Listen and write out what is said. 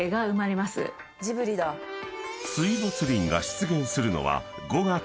［水没林が出現するのは５月中旬］